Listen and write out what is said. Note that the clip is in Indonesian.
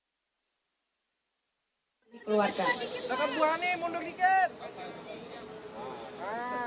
tengah pak tengah pak tengah bu ani tengah